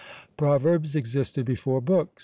Proverbs existed before books.